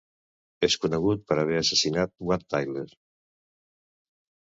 És conegut per haver assassinat Wat Tyler.